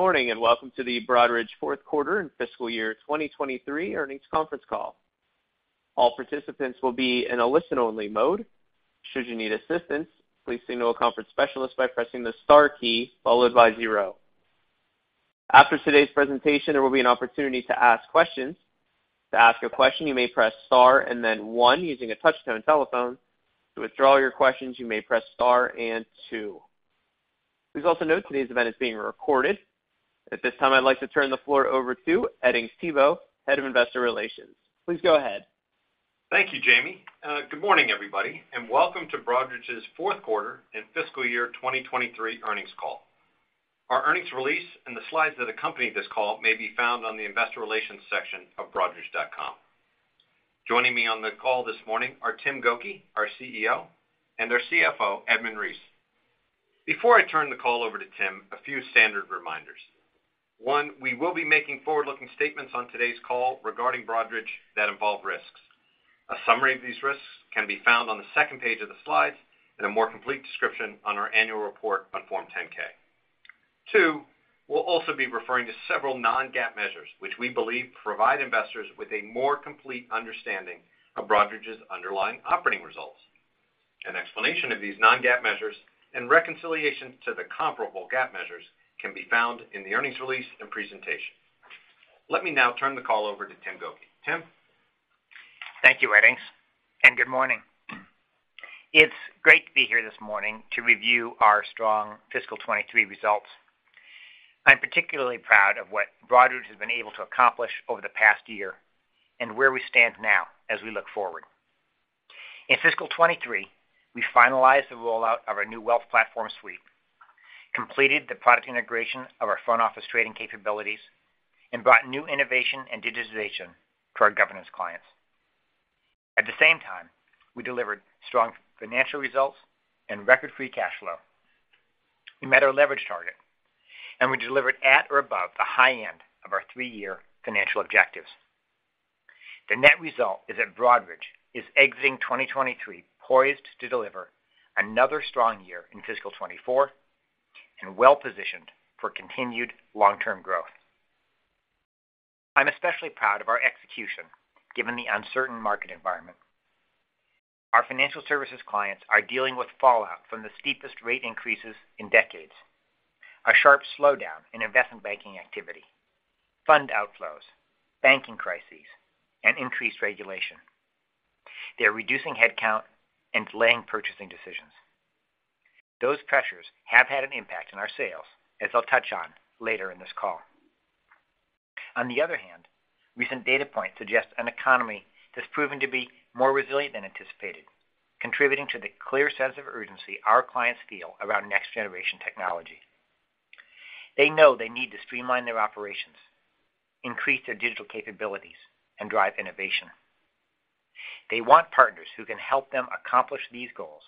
Good morning, and welcome to the Broadridge Q4 and fiscal year 2023 earnings conference call. All participants will be in a listen-only mode. Should you need assistance, please signal a conference specialist by pressing the star key, followed by zero. After today's presentation, there will be an opportunity to ask questions. To ask a question, you may press star and then one using a touch-tone telephone. To withdraw your questions, you may press star and two. Please also note today's event is being recorded. At this time, I'd like to turn the floor over to Edings Thibault, Head of Investor Relations. Please go ahead. Thank you, Jamie. Good morning, everybody, and welcome to Broadridge's Q4 and fiscal year 2023 earnings call. Our earnings release and the slides that accompany this call may be found on the investor relations section of broadridge.com. Joining me on the call this morning are Tim Gokey, our CEO, and our CFO, Edmund Reese. Before I turn the call over to Tim, a few standard reminders. One. We will be making forward-looking statements on today's call regarding Broadridge that involve risks. A summary of these risks can be found on the second page of the slides, and a more complete description on our annual report on Form 10-K. Two. We'll also be referring to several non-GAAP measures, which we believe provide investors with a more complete understanding of Broadridge's underlying operating results. An explanation of these non-GAAP measures and reconciliation to the comparable GAAP measures can be found in the earnings release and presentation. Let me now turn the call over to Tim Gokey. Tim? Thank you, Edings, and good morning. It's great to be here this morning to review our strong fiscal 23 results. I'm particularly proud of what Broadridge has been able to accomplish over the past year and where we stand now as we look forward. In fiscal 23, we finalized the rollout of our new wealth platform suite, completed the product integration of our front office trading capabilities, and brought new innovation and digitization to our governance clients. At the same time, we delivered strong financial results and record free cash flow. We met our leverage target, and we delivered at or above the high end of our 3-year financial objectives. The net result is that Broadridge is exiting 2023, poised to deliver another strong year in fiscal 24 and well-positioned for continued long-term growth. I'm especially proud of our execution, given the uncertain market environment. Our financial services clients are dealing with fallout from the steepest rate increases in decades, a sharp slowdown in investment banking activity, fund outflows, banking crises, and increased regulation. They're reducing headcount and delaying purchasing decisions. Those pressures have had an impact on our sales, as I'll touch on later in this call. On the other hand, recent data points suggest an economy that's proven to be more resilient than anticipated, contributing to the clear sense of urgency our clients feel around next-generation technology. They know they need to streamline their operations, increase their digital capabilities, and drive innovation. They want partners who can help them accomplish these goals.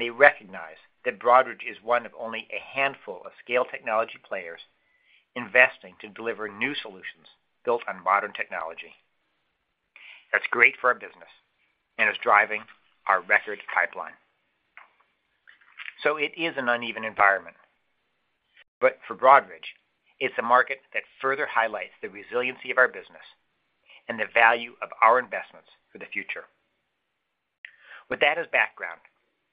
They recognize that Broadridge is one of only a handful of scale technology players investing to deliver new solutions built on modern technology. That's great for our business and is driving our record pipeline. It is an uneven environment. For Broadridge, it's a market that further highlights the resiliency of our business and the value of our investments for the future. With that as background,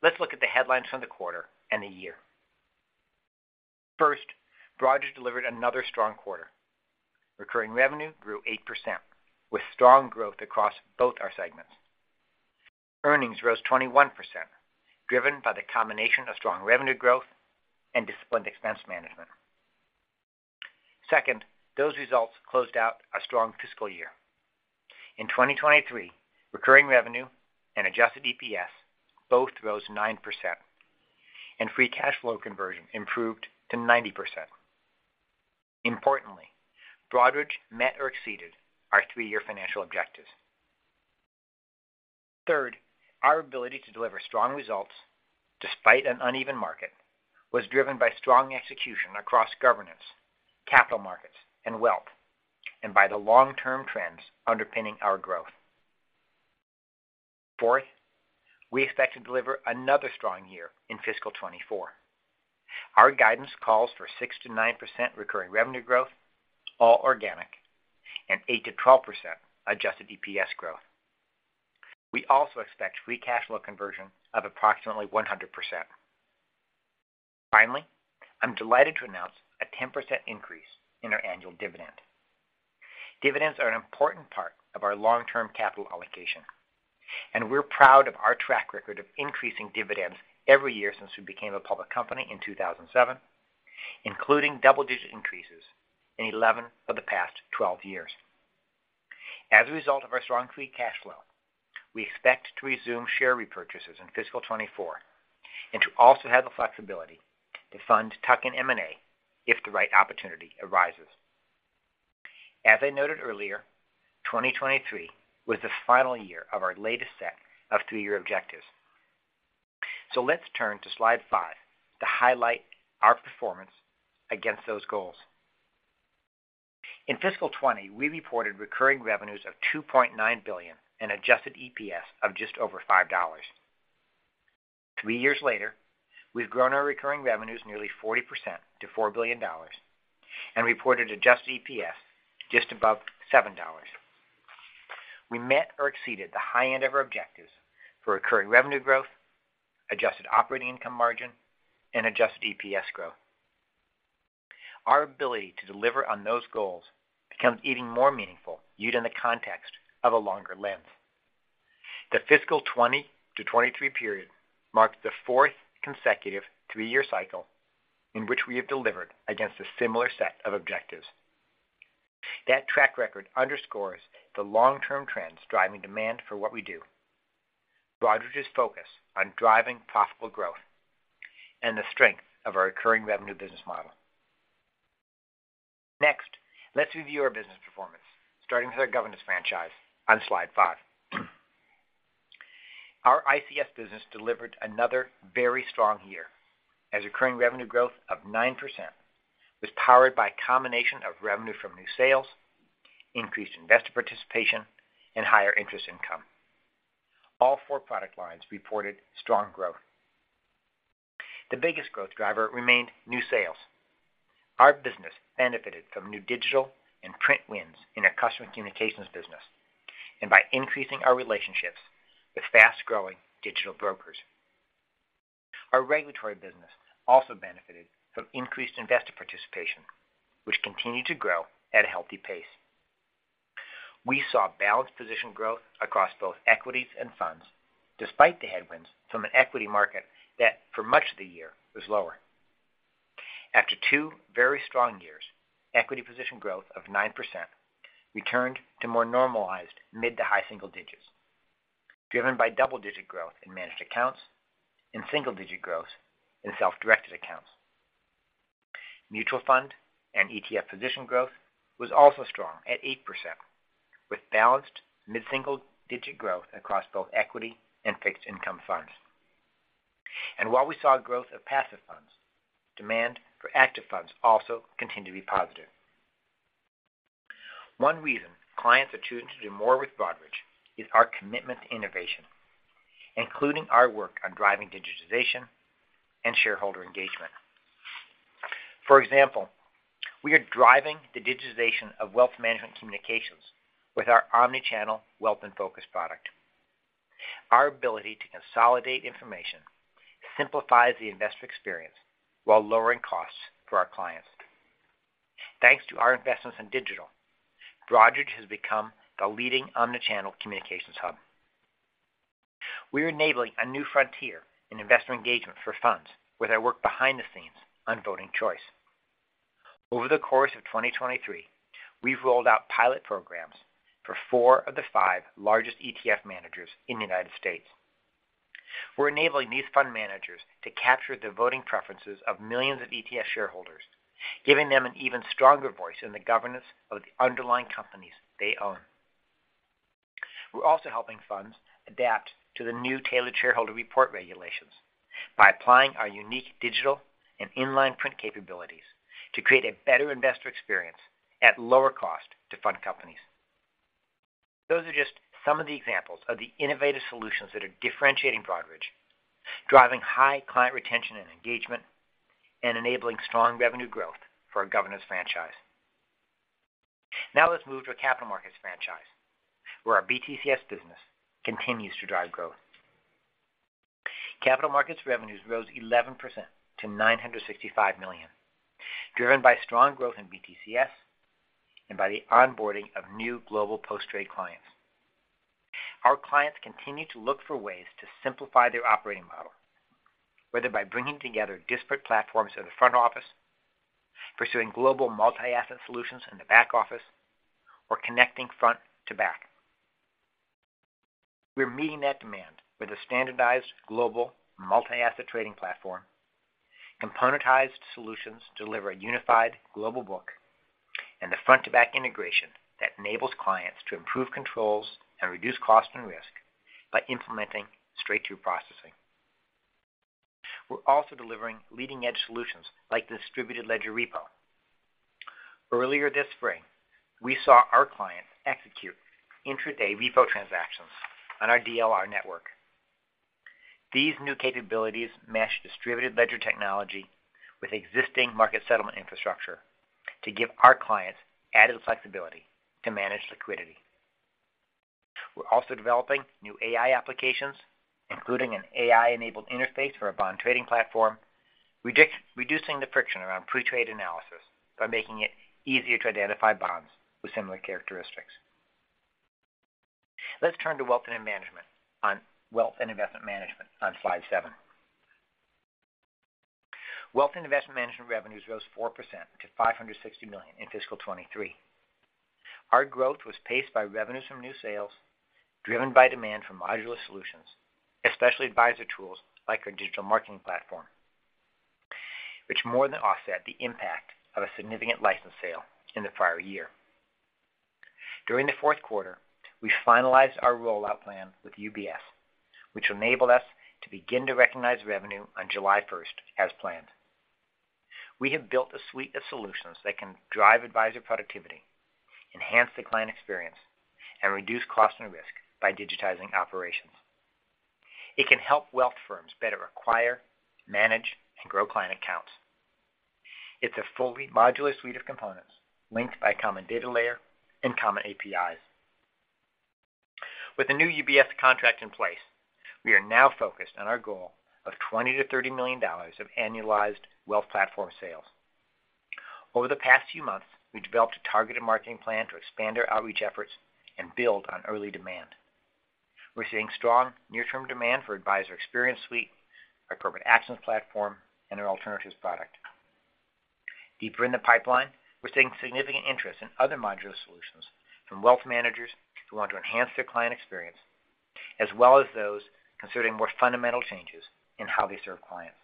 let's look at the headlines from the quarter and the year. First, Broadridge delivered another strong quarter. Recurring revenue grew 8%, with strong growth across both our segments. Earnings rose 21%, driven by the combination of strong revenue growth and disciplined expense management. Second, those results closed out a strong fiscal year. In 2023, recurring revenue and Adjusted EPS both rose 9%, and free cash flow conversion improved to 90%. Importantly, Broadridge met or exceeded our 3-year financial objectives. Third, our ability to deliver strong results, despite an uneven market, was driven by strong execution across governance, capital markets, and wealth, and by the long-term trends underpinning our growth. Fourth, we expect to deliver another strong year in fiscal 2024. Our guidance calls for 6 to 9% recurring revenue growth, all organic, and 8 to 12% Adjusted EPS growth. We also expect free cash flow conversion of approximately 100%. Finally, I'm delighted to announce a 10% increase in our annual dividend. Dividends are an important part of our long-term capital allocation, and we're proud of our track record of increasing dividends every year since we became a public company in 2007, including double-digit increases in 11 of the past 12 years. As a result of our strong free cash flow, we expect to resume share repurchases in fiscal 2024 and to also have the flexibility to fund tuck-in M&A if the right opportunity arises. As I noted earlier, 2023 was the final year of our latest set of three-year objectives. Let's turn to slide five to highlight our performance against those goals. In fiscal 2020, we reported recurring revenues of $2.9 billion and Adjusted EPS of just over $5. Three years later, we've grown our recurring revenues nearly 40% to $4 billion and reported Adjusted EPS just above $7. We met or exceeded the high end of our objectives for recurring revenue growth, adjusted operating income margin, and Adjusted EPS growth. Our ability to deliver on those goals becomes even more meaningful, viewed in the context of a longer lens. The fiscal 2020-2023 period marks the fourth consecutive three-year cycle in which we have delivered against a similar set of objectives. That track record underscores the long-term trends driving demand for what we do. Broadridge's focus on driving profitable growth, and the strength of our recurring revenue business model. Next, let's review our business performance, starting with our governance franchise on slide 5. Our ICS business delivered another very strong year, as recurring revenue growth of 9% was powered by a combination of revenue from new sales, increased investor participation, and higher interest income. All four product lines reported strong growth. The biggest growth driver remained new sales. Our business benefited from new digital and print wins in our customer communications business, and by increasing our relationships with fast-growing digital brokers. Our regulatory business also benefited from increased investor participation, which continued to grow at a healthy pace. We saw balanced position growth across both equities and funds, despite the headwinds from an equity market that, for much of the year, was lower. After two very strong years, equity position growth of 9% returned to more normalized mid-to-high single digits, driven by double-digit growth in managed accounts and single-digit growth in self-directed accounts. Mutual fund and ETF position growth was also strong at 8%, with balanced mid-single-digit growth across both equity and fixed income funds. While we saw growth of passive funds, demand for active funds also continued to be positive. One reason clients are choosing to do more with Broadridge is our commitment to innovation, including our work on driving digitization and shareholder engagement. For example, we are driving the digitization of wealth management communications with our omni-channel Wealth InFocus product. Our ability to consolidate information simplifies the investor experience while lowering costs for our clients. Thanks to our investments in digital, Broadridge has become the leading omni-channel communications hub. We are enabling a new frontier in investor engagement for funds with our work behind the scenes on voting choice. Over the course of 2023, we've rolled out pilot programs for four of the five largest ETF managers in the United States. We're enabling these fund managers to capture the voting preferences of millions of ETF shareholders, giving them an even stronger voice in the governance of the underlying companies they own. We're also helping funds adapt to the new tailored shareholder report regulations by applying our unique digital and in-line print capabilities to create a better investor experience at lower cost to fund companies. Those are just some of the examples of the innovative solutions that are differentiating Broadridge, driving high client retention and engagement, and enabling strong revenue growth for our governance franchise. Now let's move to our capital markets franchise, where our BTCS business continues to drive growth. Capital markets revenues rose 11% to $965 million, driven by strong growth in BTCS and by the onboarding of new global post-trade clients. Our clients continue to look for ways to simplify their operating model, whether by bringing together disparate platforms in the front office, pursuing global multi-asset solutions in the back office, or connecting front to back. We're meeting that demand with a standardized global multi-asset trading platform, componentized solutions to deliver a unified global book, and the front-to-back integration that enables clients to improve controls and reduce cost and risk by implementing straight-through processing. We're also delivering leading-edge solutions like Distributed Ledger Repo. Earlier this spring, we saw our clients execute intraday repo transactions on our DLR network. These new capabilities mesh distributed ledger technology with existing market settlement infrastructure to give our clients added flexibility to manage liquidity. We're also developing new AI applications, including an AI-enabled interface for our bond trading platform, reducing the friction around pre-trade analysis by making it easier to identify bonds with similar characteristics. Let's turn to wealth and investment management on slide seven. Wealth and investment management revenues rose 4% to $560 million in fiscal 2023. Our growth was paced by revenues from new sales, driven by demand for modular solutions, especially advisor tools like our digital marketing platform, which more than offset the impact of a significant license sale in the prior year. During the Q4, we finalized our rollout plan with UBS, which enabled us to begin to recognize revenue on July first as planned. We have built a suite of solutions that can drive advisor productivity, enhance the client experience, and reduce costs and risk by digitizing operations. It can help wealth firms better acquire, manage, and grow client accounts. It's a fully modular suite of components linked by a common data layer and common APIs. With the new UBS contract in place, we are now focused on our goal of $20 million-$30 million of annualized wealth platform sales. Over the past few months, we developed a targeted marketing plan to expand our outreach efforts and build on early demand. We're seeing strong near-term demand for Advisor Experience Suite, our appropriate actions platform, and our alternatives product. Deeper in the pipeline, we're seeing significant interest in other modular solutions from wealth managers who want to enhance their client experience, as well as those considering more fundamental changes in how they serve clients.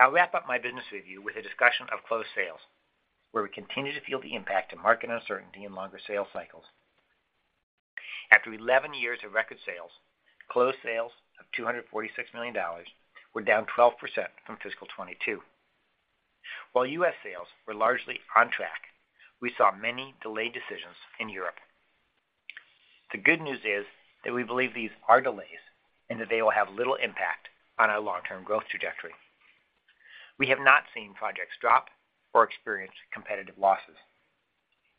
I'll wrap up my business review with a discussion of closed sales, where we continue to feel the impact of market uncertainty and longer sales cycles. After 11 years of record sales, closed sales of $246 million were down 12% from fiscal 2022. While US sales were largely on track, we saw many delayed decisions in Europe. The good news is that we believe these are delays and that they will have little impact on our long-term growth trajectory. We have not seen projects drop or experience competitive losses.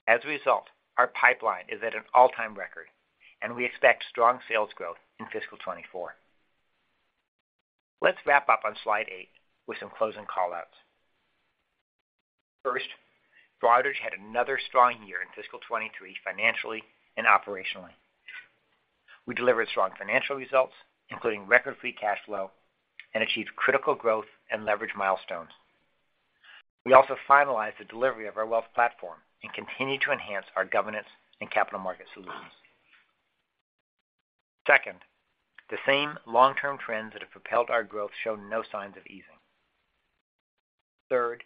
As a result, our pipeline is at an all-time record, and we expect strong sales growth in fiscal 2024. Let's wrap up on slide 8 with some closing call-outs. First, Broadridge had another strong year in fiscal 2023, financially and operationally. We delivered strong financial results, including record free cash flow, and achieved critical growth and leverage milestones. We also finalized the delivery of our wealth platform and continued to enhance our governance and capital market solutions. Second, the same long-term trends that have propelled our growth show no signs of easing. Third,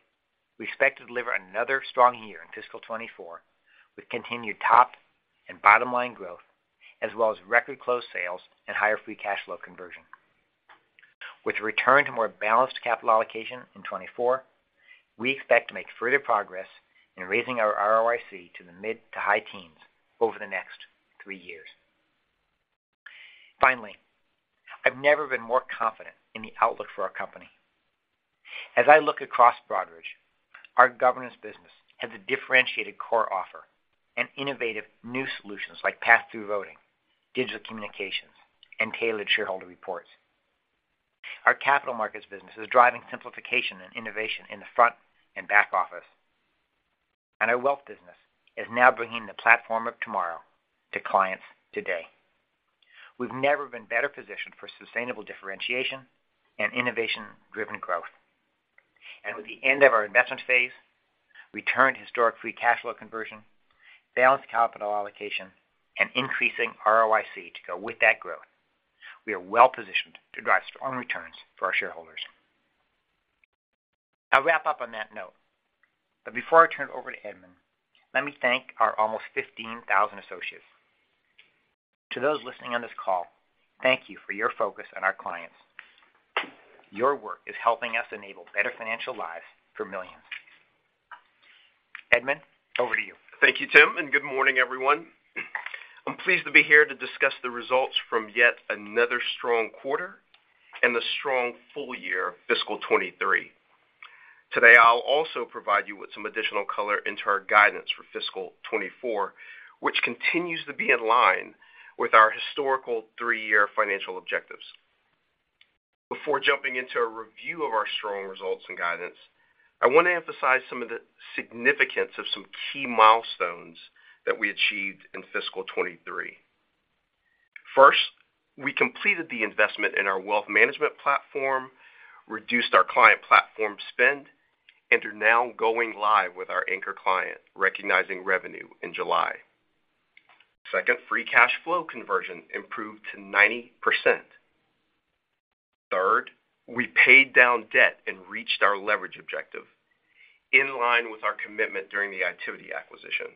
we expect to deliver another strong year in fiscal 2024, with continued top and bottom-line growth, as well as record closed sales and higher free cash flow conversion. With a return to more balanced capital allocation in 2024, we expect to make further progress in raising our ROIC to the mid to high teens over the next 3 years. Finally, I've never been more confident in the outlook for our company. As I look across Broadridge, our governance business has a differentiated core offer and innovative new solutions like pass-through voting, digital communications, and tailored shareholder reports. Our capital markets business is driving simplification and innovation in the front and back office, and our wealth business is now bringing the platform of tomorrow to clients today. We've never been better positioned for sustainable differentiation and innovation-driven growth. With the end of our investment phase, return to historic free cash flow conversion, balanced capital allocation, and increasing ROIC to go with that growth, we are well-positioned to drive strong returns for our shareholders. I'll wrap up on that note, but before I turn it over to Edmund, let me thank our almost 15,000 associates. To those listening on this call, thank you for your focus on our clients. Your work is helping us enable better financial lives for millions. Edmund, over to you. Thank you, Tim. Good morning, everyone. I'm pleased to be here to discuss the results from yet another strong quarter and the strong full year, fiscal 2023. Today, I'll also provide you with some additional color into our guidance for fiscal 2024, which continues to be in line with our historical three-year financial objectives. Before jumping into a review of our strong results and guidance, I want to emphasize some of the significance of some key milestones that we achieved in fiscal 2023. First, we completed the investment in our wealth management platform, reduced our client platform spend, and are now going live with our anchor client, recognizing revenue in July. Second, free cash flow conversion improved to 90%. Third, we paid down debt and reached our leverage objective, in line with our commitment during the Itiviti acquisition.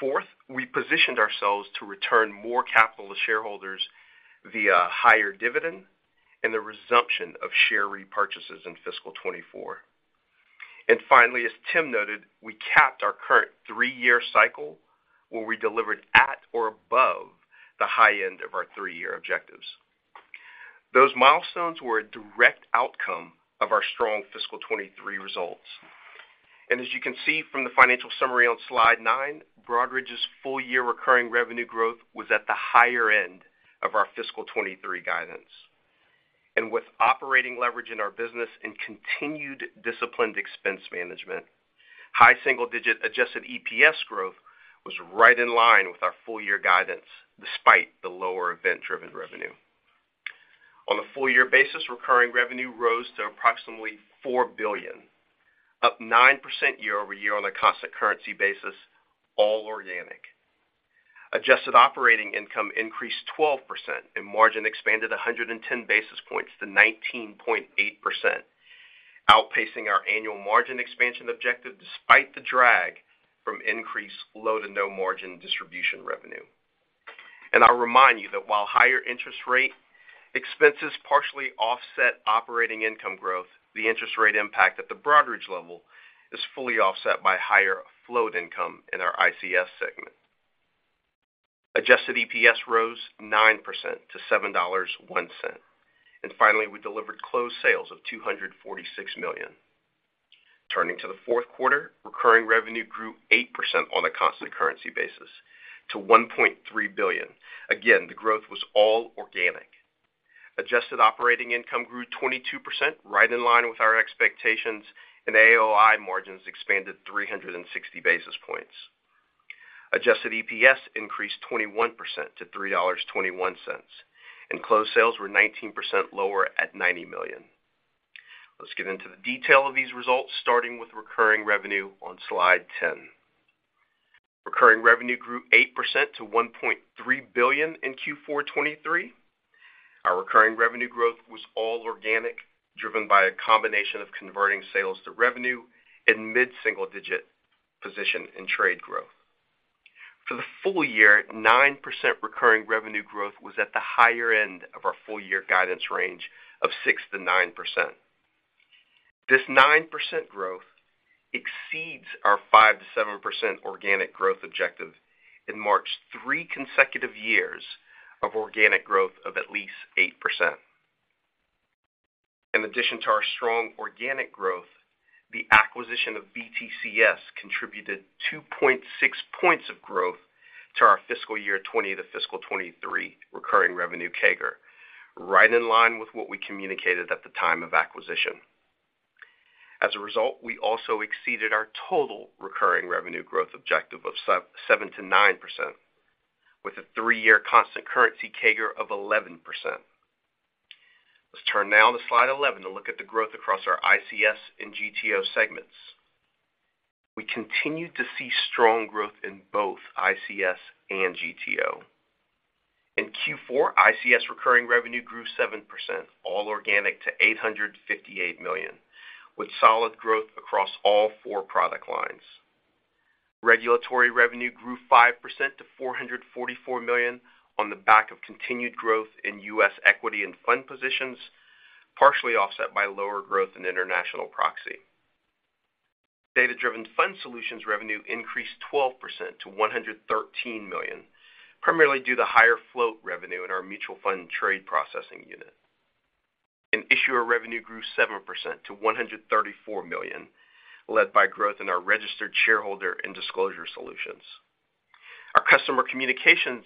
Fourth, we positioned ourselves to return more capital to shareholders via higher dividend and the resumption of share repurchases in fiscal 2024. Finally, as Tim Gokey noted, we capped our current 3-year cycle, where we delivered at or above the high end of our 3-year objectives. Those milestones were a direct outcome of our strong fiscal 2023 results. As you can see from the financial summary on slide 9, Broadridge's full-year recurring revenue growth was at the higher end of our fiscal 2023 guidance. With operating leverage in our business and continued disciplined expense management, high single-digit Adjusted EPS growth was right in line with our full-year guidance, despite the lower event-driven revenue. On a full year basis, recurring revenue rose to approximately $4 billion, up 9% year-over-year on a constant currency basis, all organic. Adjusted operating income increased 12%, and margin expanded 110 basis points to 19.8%, outpacing our annual margin expansion objective despite the drag from increased low to no margin distribution revenue. I'll remind you that while higher interest rate expenses partially offset operating income growth, the interest rate impact at the Broadridge level is fully offset by higher float income in our ICS segment. Adjusted EPS rose 9% to $7.01. Finally, we delivered closed sales of $246 million. Turning to the Q4, recurring revenue grew 8% on a constant currency basis to $1.3 billion. Again, the growth was all organic. Adjusted operating income grew 22%, right in line with our expectations, AOI margins expanded 360 basis points. Adjusted EPS increased 21% to $3.21, closed sales were 19% lower at $90 million. Let's get into the detail of these results, starting with recurring revenue on slide 10. Recurring revenue grew 8% to $1.3 billion in Q4 '23. Our recurring revenue growth was all organic, driven by a combination of converting sales to revenue and mid-single-digit position in trade growth. For the full year, 9% recurring revenue growth was at the higher end of our full-year guidance range of 6 to 9%. This 9% growth exceeds our 5 to 7% organic growth objective and marks 3 consecutive years of organic growth of at least 8%. In addition to our strong organic growth, the acquisition of BTCS contributed 2.6 points of growth to our fiscal year 2020 to fiscal 2023 recurring revenue CAGR, right in line with what we communicated at the time of acquisition. Result, we also exceeded our total recurring revenue growth objective of 7 to 9%, with a 3-year constant currency CAGR of 11%. Let's turn now to slide 11 to look at the growth across our ICS and GTO segments. We continued to see strong growth in both ICS and GTO. In Q4, ICS recurring revenue grew 7%, all organic, to $858 million, with solid growth across all four product lines. Regulatory revenue grew 5% to $444 million on the back of continued growth in US equity and fund positions, partially offset by lower growth in international proxy. Data-driven fund solutions revenue increased 12% to $113 million, primarily due to higher float revenue in our mutual fund trade processing unit. Issuer revenue grew 7% to $134 million, led by growth in our registered shareholder and disclosure solutions. Our customer communications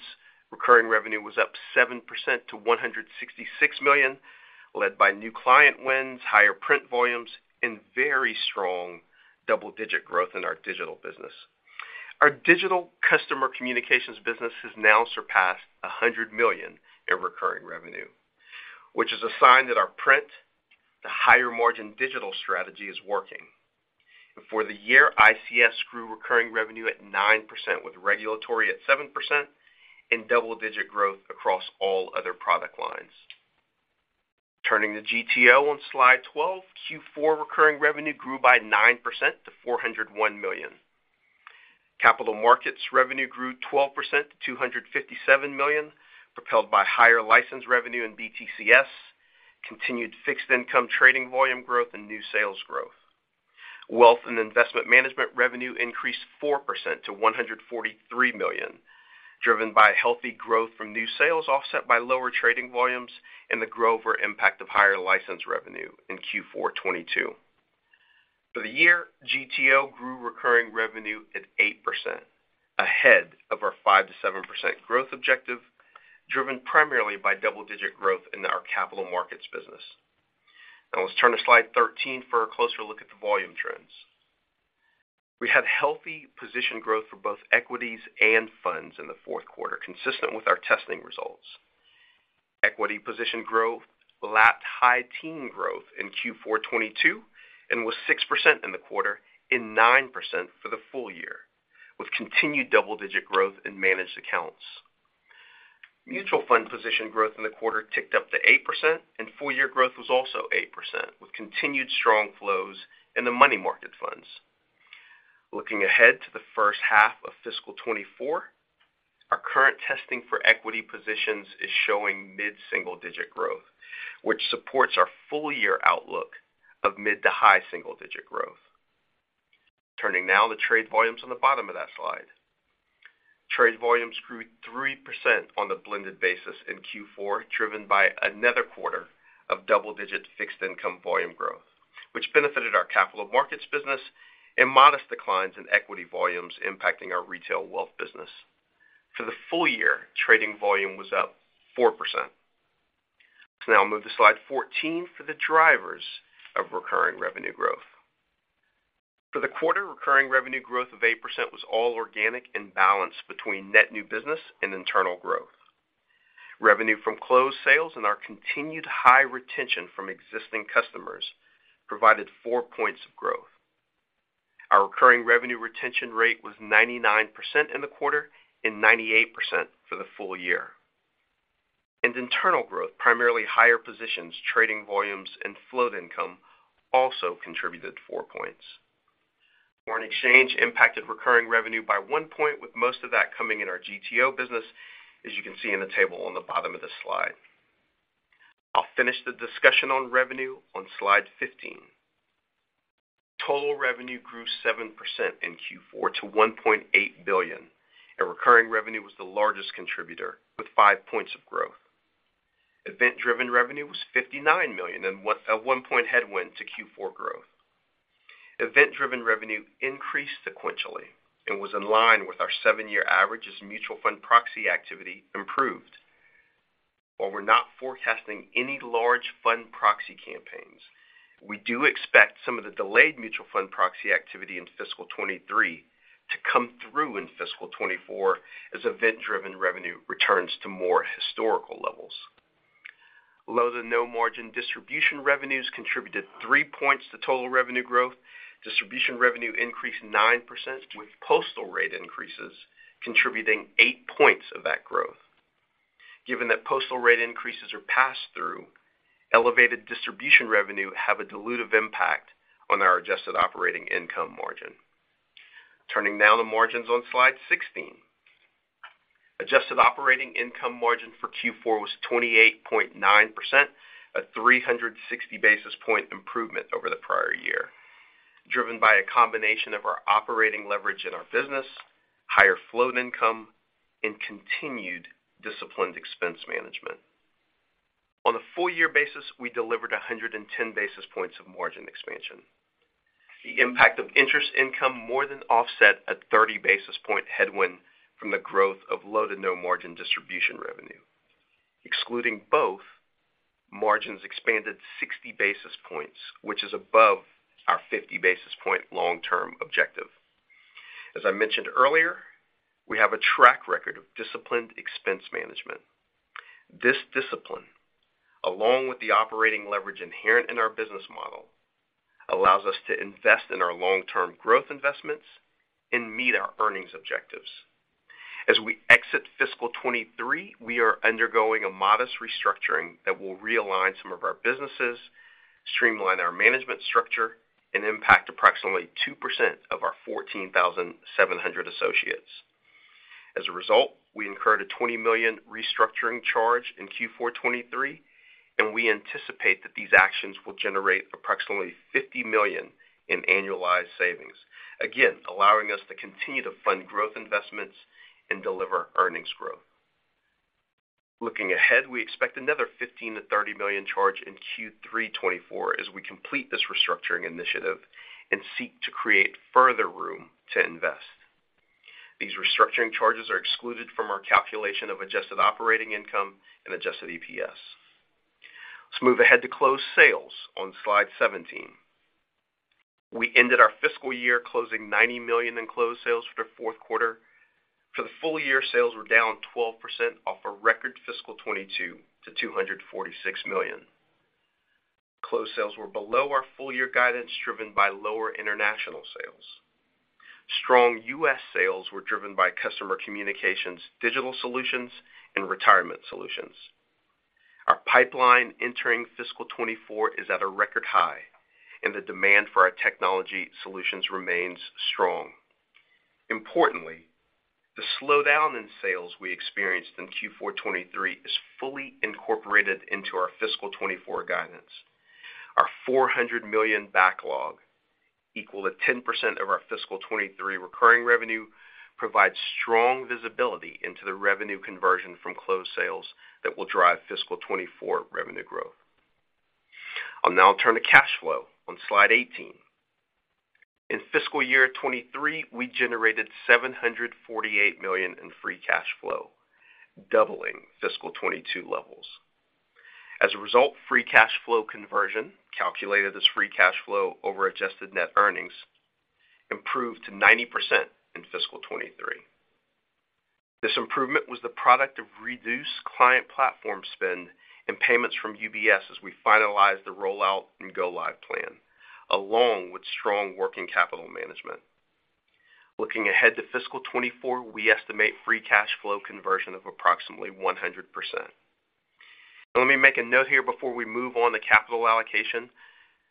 recurring revenue was up 7% to $166 million, led by new client wins, higher print volumes, and very strong double-digit growth in our digital business. Our digital customer communications business has now surpassed $100 million in recurring revenue, which is a sign that our print to higher-margin digital strategy is working. For the year, ICS grew recurring revenue at 9%, with regulatory at 7% and double-digit growth across all other product lines. Turning to GTO on slide 12, Q4 recurring revenue grew by 9% to $401 million. Capital markets revenue grew 12% to $257 million, propelled by higher license revenue in BTCS, continued fixed income trading volume growth and new sales growth. Wealth and investment management revenue increased 4% to $143 million, driven by a healthy growth from new sales, offset by lower trading volumes and the growover impact of higher license revenue in Q4 '22. For the year, GTO grew recurring revenue at 8%, ahead of our 5 to 7% growth objective, driven primarily by double-digit growth in our capital markets business. Now let's turn to slide 13 for a closer look at the volume trends. We had healthy position growth for both equities and funds in the Q4, consistent with our testing results. Equity position growth lapped high teen growth in Q4 2022 and was 6% in the quarter and 9% for the full year, with continued double-digit growth in managed accounts. Mutual fund position growth in the quarter ticked up to 8%, and full-year growth was also 8%, with continued strong flows in the money market funds. Looking ahead to the 1st half of fiscal 2024, our current testing for equity positions is showing mid-single-digit growth, which supports our full-year outlook of mid to high single-digit growth. Turning now to trade volumes on the bottom of that slide. Trade volumes grew 3% on the blended basis in Q4, driven by another quarter of double-digit fixed income volume growth, which benefited our capital markets business and modest declines in equity volumes impacting our retail wealth business. For the full year, trading volume was up 4%. Now I'll move to slide 14 for the drivers of recurring revenue growth. For the quarter, recurring revenue growth of 8% was all organic and balanced between net new business and internal growth. Revenue from closed sales and our continued high retention from existing customers provided 4 points of growth. Our recurring revenue retention rate was 99% in the quarter and 98% for the full year. Internal growth, primarily higher positions, trading volumes, and float income, also contributed 4 points. Foreign exchange impacted recurring revenue by 1 point, with most of that coming in our GTO business, as you can see in the table on the bottom of this slide. I'll finish the discussion on revenue on slide 15. Total revenue grew 7% in Q4 to $1.8 billion. Recurring revenue was the largest contributor, with 5 points of growth. Event-driven revenue was $59 million. A 1-point headwind to Q4 growth. Event-driven revenue increased sequentially and was in line with our 7-year average as mutual fund proxy activity improved. While we're not forecasting any large fund proxy campaigns, we do expect some of the delayed mutual fund proxy activity in fiscal 2023 to come through in fiscal 2024 as event-driven revenue returns to more historical levels. Low to no margin distribution revenues contributed 3 points to total revenue growth. Distribution revenue increased 9%, with postal rate increases contributing 8 points of that growth. Given that postal rate increases are passed through, elevated distribution revenue have a dilutive impact on our Adjusted operating income margin. Turning now to margins on Slide 16. Adjusted operating income margin for Q4 was 28.9%, a 360 basis point improvement over the prior year, driven by a combination of our operating leverage in our business, higher float income, and continued disciplined expense management. On a full year basis, we delivered 110 basis points of margin expansion. The impact of interest income more than offset a 30 basis point headwind from the growth of low to no margin distribution revenue. Excluding both, margins expanded 60 basis points, which is above our 50 basis point long-term objective. As I mentioned earlier, we have a track record of disciplined expense management. This discipline, along with the operating leverage inherent in our business model, allows us to invest in our long-term growth investments and meet our earnings objectives. As we exit fiscal 2023, we are undergoing a modest restructuring that will realign some of our businesses, streamline our management structure, and impact approximately 2% of our 14,700 associates. As a result, we incurred a $20 million restructuring charge in Q4 2023. We anticipate that these actions will generate approximately $50 million in annualized savings. Again, allowing us to continue to fund growth investments and deliver earnings growth. Looking ahead, we expect another $15 million-$30 million charge in Q3 2024 as we complete this restructuring initiative and seek to create further room to invest. These restructuring charges are excluded from our calculation of Adjusted operating income and Adjusted EPS. Let's move ahead to closed sales on slide 17. We ended our fiscal year closing $90 million in closed sales for the Q4. For the full year, sales were down 12% off a record fiscal 2022 to $246 million. Closed sales were below our full-year guidance, driven by lower international sales. Strong US sales were driven by customer communications, digital solutions, and retirement solutions. Our pipeline entering fiscal 2024 is at a record high, and the demand for our technology solutions remains strong. Importantly, the slowdown in sales we experienced in Q4 2023 is fully incorporated into our fiscal 2024 guidance. Our $400 million backlog, equal to 10% of our fiscal 2023 recurring revenue, provides strong visibility into the revenue conversion from closed sales that will drive fiscal 2024 revenue growth. I'll now turn to cash flow on slide 18. In fiscal year 2023, we generated $748 million in free cash flow, doubling fiscal 2022 levels. Result, free cash flow conversion, calculated as free cash flow over Adjusted Net Earnings, improved to 90% in fiscal 2023. This improvement was the product of reduced client platform spend and payments from UBS as we finalized the rollout and go live plan, along with strong working capital management. Looking ahead to fiscal 2024, we estimate free cash flow conversion of approximately 100%. Let me make a note here before we move on to capital allocation.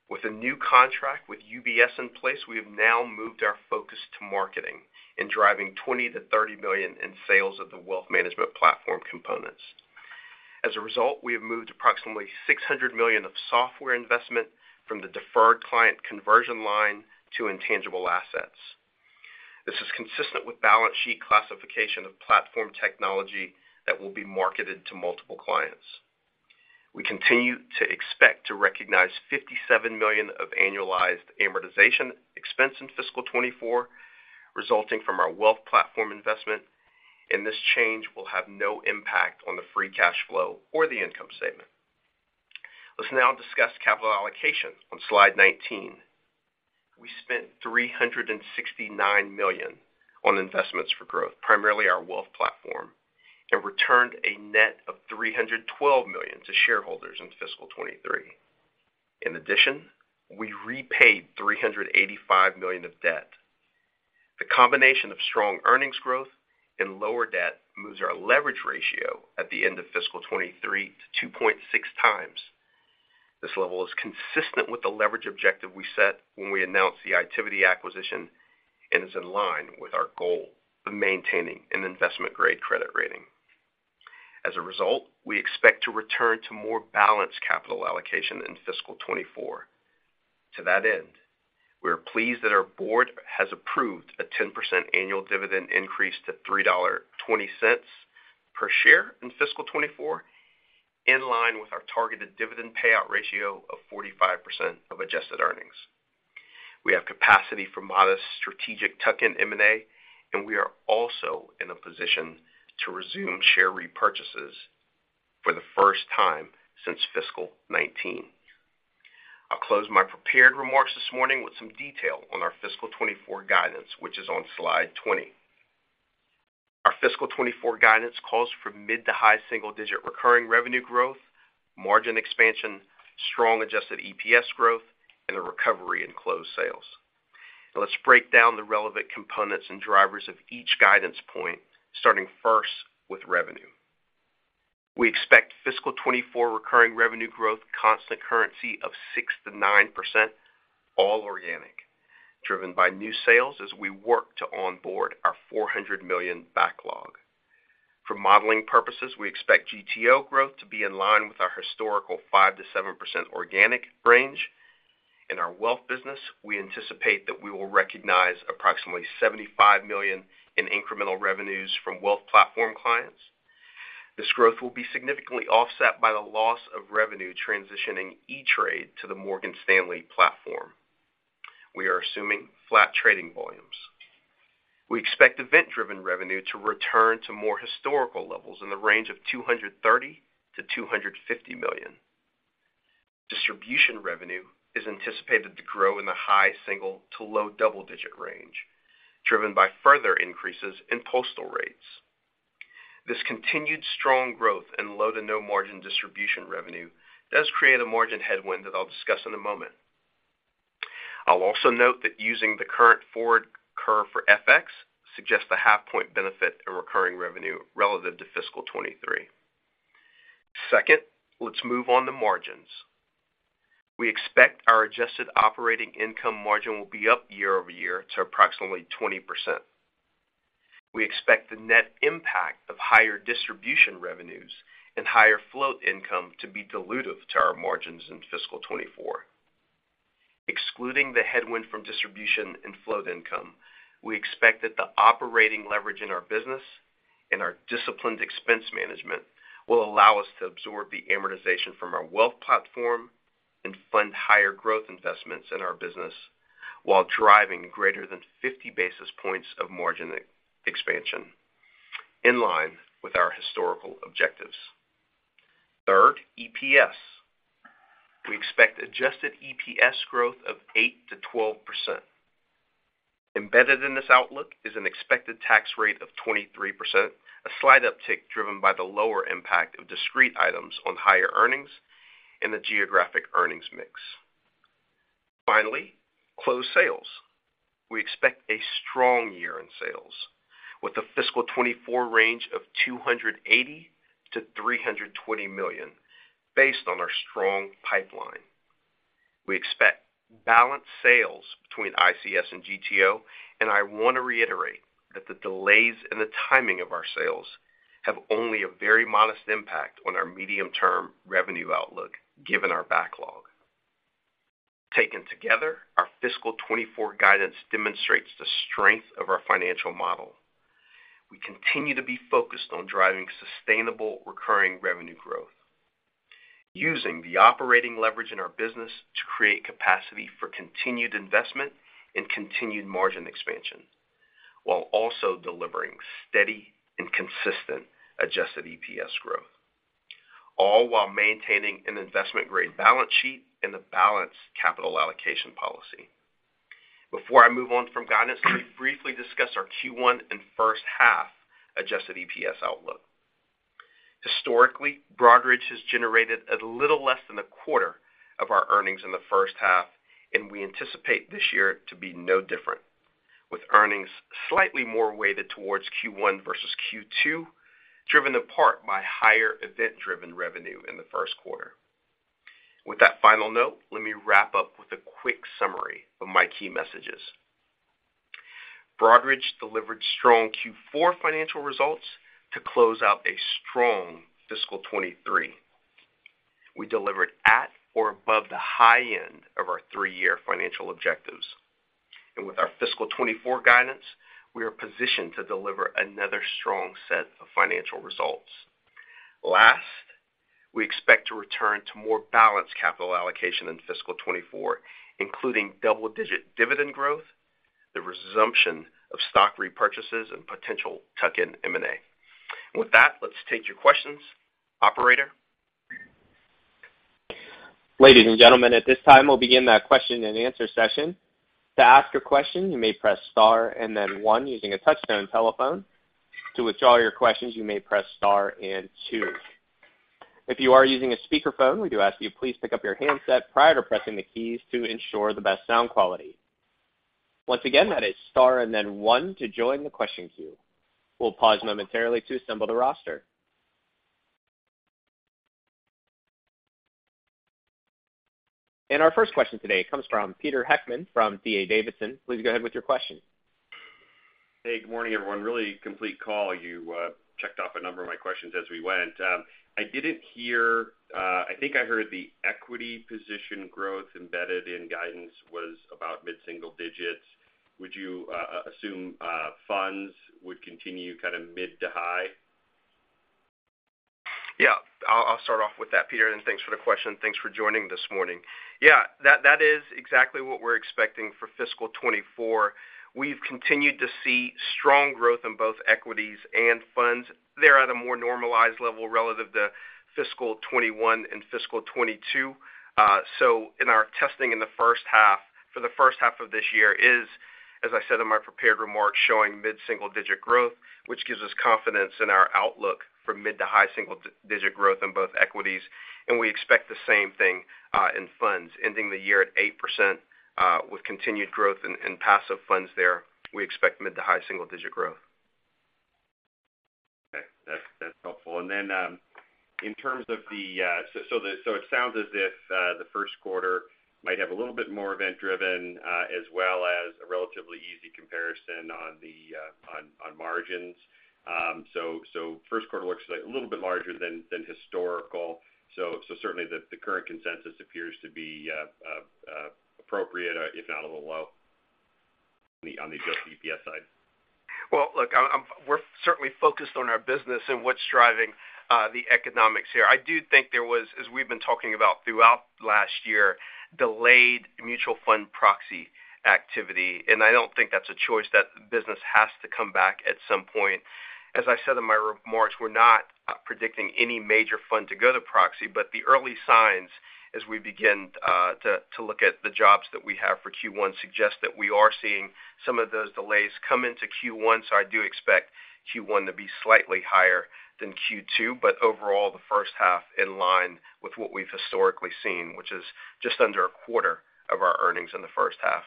With a new contract with UBS in place, we have now moved our focus to marketing and driving $20 million-$30 million in sales of the wealth management platform components. As a result, we have moved approximately $600 million of software investment from the deferred client conversion line to intangible assets. This is consistent with balance sheet classification of platform technology that will be marketed to multiple clients. We continue to expect to recognize $57 million of annualized amortization expense in fiscal 2024, resulting from our wealth platform investment. This change will have no impact on the free cash flow or the income statement. Let's now discuss capital allocation. On slide 19, we spent $369 million on investments for growth, primarily our wealth platform, and returned a net of $312 million to shareholders in fiscal 2023. In addition, we repaid $385 million of debt. The combination of strong earnings growth and lower debt moves our leverage ratio at the end of fiscal 2023 to 2.6x. This level is consistent with the leverage objective we set when we announced the Itiviti acquisition and is in line with our goal of maintaining an investment-grade credit rating. As a result, we expect to return to more balanced capital allocation in fiscal 2024. To that end, we are pleased that our board has approved a 10% annual dividend increase to $3.20 per share in fiscal 2024, in line with our targeted dividend payout ratio of 45% of Adjusted Earnings. We have capacity for modest strategic tuck-in M&A, and we are also in a position to resume share repurchases for the first time since fiscal 2019. I'll close my prepared remarks this morning with some detail on our fiscal 2024 guidance, which is on slide 20. Our fiscal 2024 guidance calls for mid to high single-digit recurring revenue growth, margin expansion, strong Adjusted EPS growth, and a recovery in closed sales. Now let's break down the relevant components and drivers of each guidance point, starting first with revenue. We expect fiscal 2024 recurring revenue growth, constant currency of 6 to 9%, all organic, driven by new sales as we work to onboard our $400 million backlog. For modeling purposes, we expect GTO growth to be in line with our historical 5 to 7% organic range. In our wealth business, we anticipate that we will recognize approximately $75 million in incremental revenues from wealth platform clients. This growth will be significantly offset by the loss of revenue transitioning E*TRADE to the Morgan Stanley platform. We are assuming flat trading volumes. We expect event-driven revenue to return to more historical levels in the range of $230 million-$250 million. Distribution revenue is anticipated to grow in the high single- to low double-digit range, driven by further increases in postal rates. This continued strong growth in low to no margin distribution revenue does create a margin headwind that I'll discuss in a moment. I'll also note that using the current forward curve for FX suggests a 0.5 point benefit in recurring revenue relative to fiscal 2023. Second, let's move on to margins. We expect our Adjusted operating income margin will be up year-over-year to approximately 20%. We expect the net impact of higher distribution revenues and higher float income to be dilutive to our margins in fiscal 2024. Excluding the headwind from distribution and float income, we expect that the operating leverage in our business and our disciplined expense management will allow us to absorb the amortization from our wealth platform and fund higher growth investments in our business, while driving greater than 50 basis points of margin expansion, in line with our historical objectives. Third, EPS. We expect Adjusted EPS growth of 8 to 12%. Embedded in this outlook is an expected tax rate of 23%, a slight uptick driven by the lower impact of discrete items on higher earnings and the geographic earnings mix. Finally, closed sales. We expect a strong year in sales with a fiscal 2024 range of $280 million-$320 million, based on our strong pipeline. We expect balanced sales between ICS and GTO, and I want to reiterate that the delays and the timing of our sales have only a very modest impact on our medium-term revenue outlook, given our backlog. Taken together, our fiscal 2024 guidance demonstrates the strength of our financial model. We continue to be focused on driving sustainable recurring revenue growth, using the operating leverage in our business to create capacity for continued investment and continued margin expansion, while also delivering steady and consistent Adjusted EPS growth, all while maintaining an investment-grade balance sheet and a balanced capital allocation policy. Before I move on from guidance, let me briefly discuss our Q1 and first half Adjusted EPS outlook. Historically, Broadridge has generated a little less than a quarter of our earnings in the first half, and we anticipate this year to be no different, with earnings slightly more weighted towards Q1 versus Q2, driven in part by higher event-driven revenue in the Q1. With that final note, let me wrap up with a quick summary of my key messages. Broadridge delivered strong Q4 financial results to close out a strong fiscal 2023. With our fiscal 2024 guidance, we are positioned to deliver another strong set of financial results. Last, we expect to return to more balanced capital allocation in fiscal 2024, including double-digit dividend growth-... the resumption of stock repurchases and potential tuck-in M&A. With that, let's take your questions. Operator? Ladies and gentlemen, at this time, we'll begin the question and answer session. To ask a question, you may press star and then 1 using a touchtone telephone. To withdraw your questions, you may press star and 2. If you are using a speakerphone, we do ask you please pick up your handset prior to pressing the keys to ensure the best sound quality. Once again, that is star and then 1 to join the question queue. We'll pause momentarily to assemble the roster. Our first question today comes from Peter Heckmann from D.A. Davidson. Please go ahead with your question. Hey, good morning, everyone. Really complete call. You checked off a number of my questions as we went. I didn't hear, I think I heard the equity position growth embedded in guidance was about mid-single digits. Would you assume funds would continue kind of mid to high? Yeah. I'll, I'll start off with that, Peter. Thanks for the question. Thanks for joining this morning. Yeah, that, that is exactly what we're expecting for fiscal 2024. We've continued to see strong growth in both equities and funds. They're at a more normalized level relative to fiscal 2021 and fiscal 2022. In our testing in the first half, for the first half of this year is, as I said in my prepared remarks, showing mid-single digit growth, which gives us confidence in our outlook for mid to high single digit growth in both equities. We expect the same thing in funds, ending the year at 8%, with continued growth in passive funds there. We expect mid to high single digit growth. Okay. That's, that's helpful. Then, in terms of the... It sounds as if the Q1 might have a little bit more event-driven, as well as a relatively easy comparison on the on margins. Q1 looks like a little bit larger than, than historical. Certainly the current consensus appears to be appropriate, if not a little low on the Adjusted EPS side. Well, look, I'm we're certainly focused on our business and what's driving the economics here. I do think there was, as we've been talking about throughout last year, delayed mutual fund proxy activity, and I don't think that's a choice, that business has to come back at some point. As I said in my remarks, we're not predicting any major fund to go to proxy, but the early signs as we begin to look at the jobs that we have for Q1, suggest that we are seeing some of those delays come into Q1. I do expect Q1 to be slightly higher than Q2, but overall, the 1st half in line with what we've historically seen, which is just under 1/4 of our earnings in the 1st half.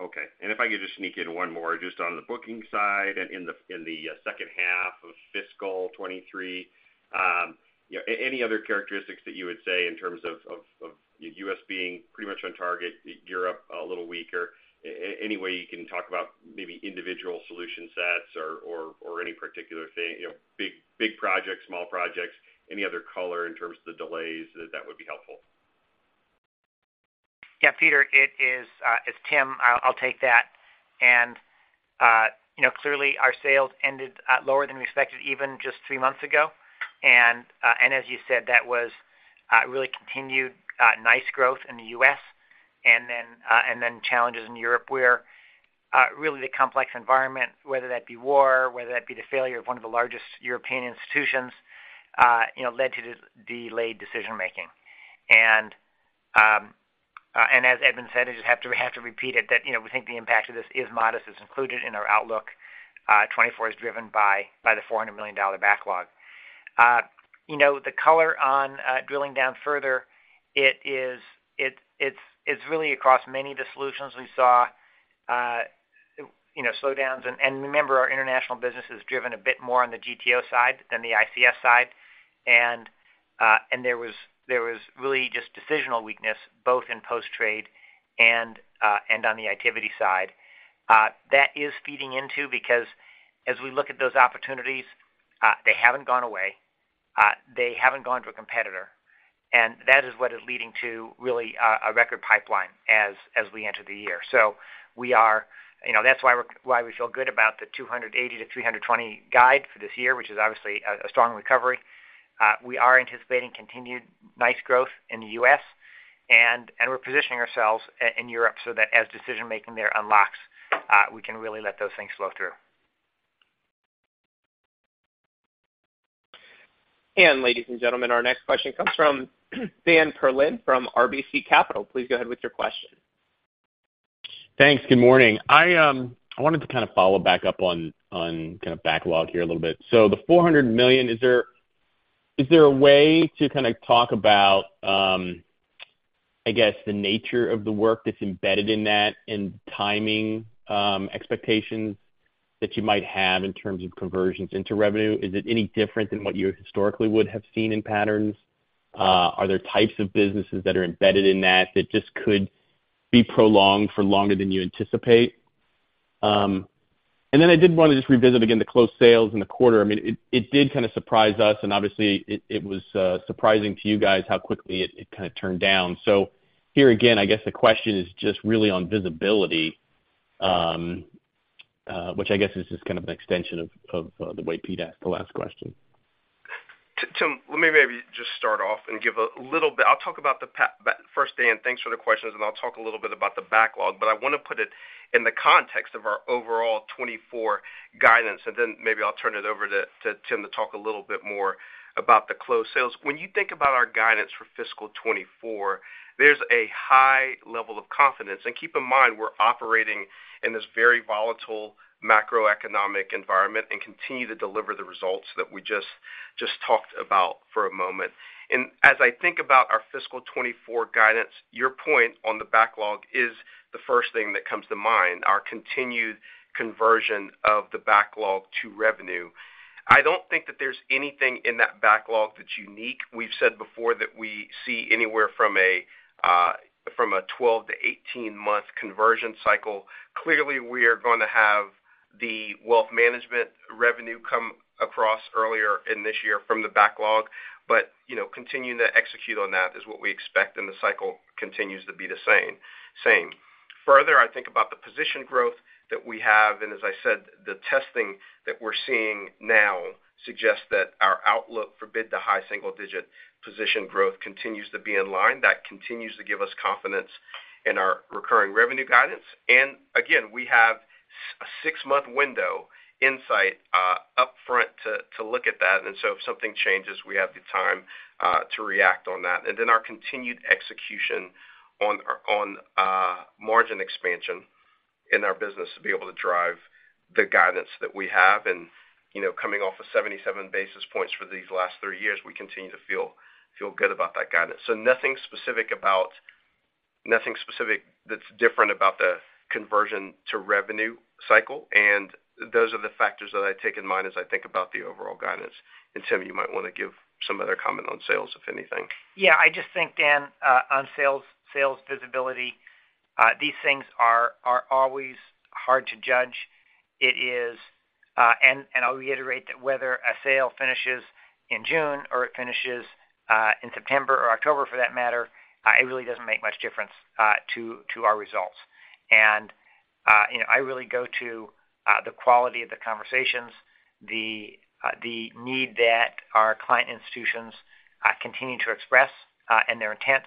Okay. If I could just sneak in one more, just on the booking side and in the, in the second half of fiscal 2023. You know, any other characteristics that you would say in terms of US being pretty much on target, Europe a little weaker? Any way you can talk about maybe individual solution sets or any particular thing, you know, big projects, small projects, any other color in terms of the delays, that would be helpful. Yeah, Peter, it is. It's Tim. I'll take that. You know, clearly, our sales ended lower than we expected, even just three months ago. As you said, that was really continued nice growth in the US and then challenges in Europe, where really the complex environment, whether that be war, whether that be the failure of one of the largest European institutions, you know, led to this delayed decision making. As Edmund said, I just have to repeat it, that, you know, we think the impact of this is modest. It's included in our outlook. 2024 is driven by the $400 million backlog. You know, the color on drilling down further, it's really across many of the solutions we saw, you know, slowdowns. Remember, our international business is driven a bit more on the GTO side than the ICS side. There was really just decisional weakness, both in post-trade and on the Itiviti side. That is feeding into because as we look at those opportunities, they haven't gone away, they haven't gone to a competitor, and that is what is leading to really a record pipeline as we enter the year. You know, that's why we're why we feel good about the $280 million-$320 million guide for this year, which is obviously a strong recovery. We are anticipating continued nice growth in the U.S., and we're positioning ourselves in Europe so that as decision-making there unlocks, we can really let those things flow through. Ladies and gentlemen, our next question comes from Dan Perlin from RBC Capital. Please go ahead with your question. Thanks. Good morning. I wanted to kind of follow back up on, on kind of backlog here a little bit. The $400 million, is there, is there a way to kind of talk about, I guess, the nature of the work that's embedded in that and timing, expectations that you might have in terms of conversions into revenue? Is it any different than what you historically would have seen in patterns? Are there types of businesses that are embedded in that, that just could be prolonged for longer than you anticipate? I did want to just revisit again, the close sales in the quarter. I mean, it, it did kind of surprise us, and obviously, it, it was surprising to you guys how quickly it, it kind of turned down. Here again, I guess the question is just really on visibility, which I guess is just kind of an extension of, of, the way Pete asked the last question. Tim, let me maybe just start off and give a little bit. I'll talk about the first, Dan, thanks for the questions, and I'll talk a little bit about the backlog, but I want to put it in the context of our overall 2024 guidance, and then maybe I'll turn it over to Tim to talk a little bit more about the closed sales. When you think about our guidance for fiscal 2024, there's a high level of confidence. Keep in mind, we're operating in this very volatile macroeconomic environment and continue to deliver the results that we just talked about for a moment. As I think about our fiscal 2024 guidance, your point on the backlog is the first thing that comes to mind, our continued conversion of the backlog to revenue. I don't think that there's anything in that backlog that's unique. We've said before that we see anywhere from a 12-18 month conversion cycle. Clearly, we are going to have the wealth management revenue come across earlier in this year from the backlog, but, you know, continuing to execute on that is what we expect, and the cycle continues to be the same, same. Further, I think about the position growth that we have, and as I said, the testing that we're seeing now suggests that our outlook for bid-to-high single-digit position growth continues to be in-line. That continues to give us confidence in our recurring revenue guidance. Again, we have a 6-month window insight upfront to look at that. If something changes, we have the time to react on that. Then our continued execution on our, on margin expansion in our business to be able to drive the guidance that we have. You know, coming off of 77 basis points for these last 3 years, we continue to feel, feel good about that guidance. Nothing specific about nothing specific that's different about the conversion to revenue cycle, and those are the factors that I take in mind as I think about the overall guidance. Tim, you might want to give some other comment on sales, if anything. Yeah, I just think, Dan, on sales, sales visibility, these things are always hard to judge. It is, and I'll reiterate that whether a sale finishes in June or it finishes in September or October, for that matter, it really doesn't make much difference to our results. You know, I really go to the quality of the conversations, the need that our client institutions continue to express, and their intent.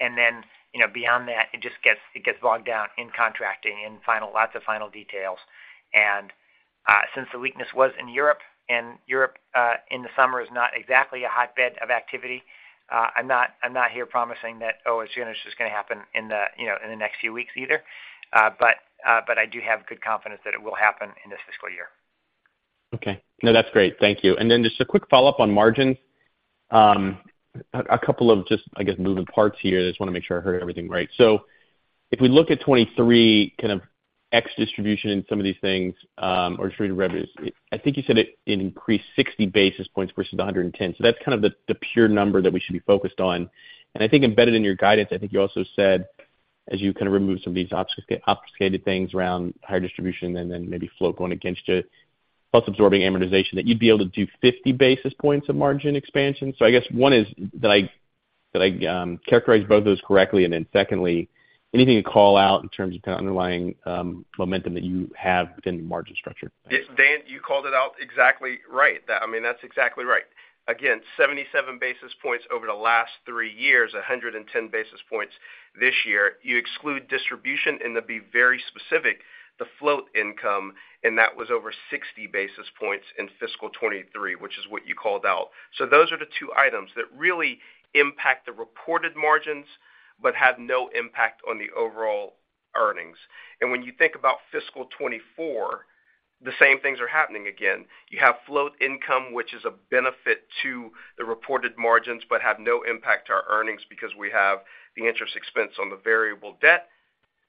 Then, you know, beyond that, it just gets it gets bogged down in contracting, in final lots of final details. Since the weakness was in Europe, and Europe, in the summer is not exactly a hotbed of activity, I'm not, I'm not here promising that, oh, it's just gonna happen in the, you know, in the next few weeks either. But I do have good confidence that it will happen in this fiscal year. Okay. No, that's great. Thank you. Then just a quick follow-up on margins. A couple of just, I guess, moving parts here. Just wanna make sure I heard everything right. If we look at 2023, kind of, ex distribution in some of these things, or distributed revenues, I think you said it increased 60 basis points versus the 110. That's kind of the, the pure number that we should be focused on. I think embedded in your guidance, I think you also said, as you kind of remove some of these obfuscate, obfuscated things around higher distribution and then maybe float going against it, plus absorbing amortization, that you'd be able to do 50 basis points of margin expansion. I guess one is, did I, did I characterize both of those correctly? Then secondly, anything you call out in terms of kind of underlying momentum that you have within the margin structure? Yeah, Dan, you called it out exactly right. I mean, that's exactly right. 77 basis points over the last 3 years, 110 basis points this year. You exclude distribution, and to be very specific, the float income, and that was over 60 basis points in fiscal 2023, which is what you called out. Those are the two items that really impact the reported margins, but have no impact on the overall earnings. When you think about fiscal 2024, the same things are happening again. You have float income, which is a benefit to the reported margins, but have no impact to our earnings because we have the interest expense on the variable debt.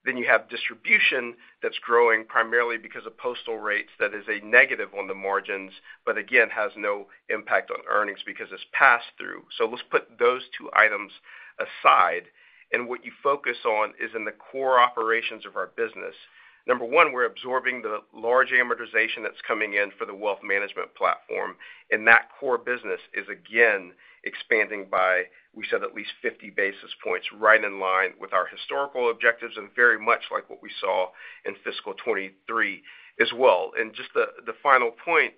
You have distribution that's growing primarily because of postal rates, that is a negative on the margins, but again, has no impact on earnings because it's passed through. Let's put those two items aside, and what you focus on is in the core operations of our business. Number one, we're absorbing the large amortization that's coming in for the wealth management platform, and that core business is again expanding by, we said, at least 50 basis points, right in line with our historical objectives and very much like what we saw in fiscal 2023 as well. Just the final point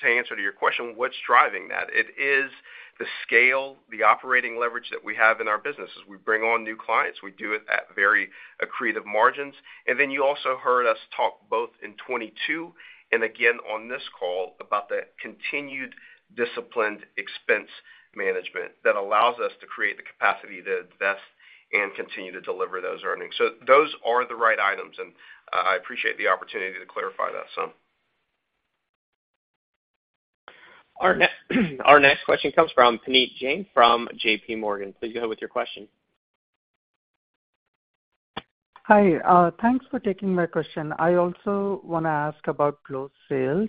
to answer your question, what's driving that? It is the scale, the operating leverage that we have in our business. As we bring on new clients, we do it at very accretive margins. Then you also heard us talk, both in 2022 and again on this call, about the continued disciplined expense management that allows us to create the capacity to invest and continue to deliver those earnings. Those are the right items, and, I appreciate the opportunity to clarify that, so. Our next question comes from Puneet Jain from JPMorgan. Please go ahead with your question. Hi, thanks for taking my question. I also want to ask about closed sales.